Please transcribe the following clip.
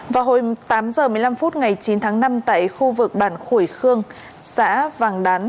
vào hồi tám h một mươi năm phút ngày chín tháng năm tại khu vực bản khuổi khương xã vàng đán